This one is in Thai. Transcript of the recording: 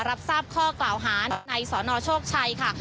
รับทราบข้อกล่าวหาในสนโชคชัยค่ะ